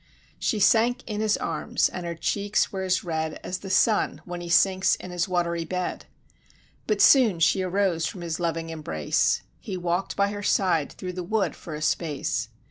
She sank in his arms, and her cheeks were as red As the sun when he sinks in his watery bed; But soon she arose from his loving embrace; He walk'd by her side, through the wood, for a space.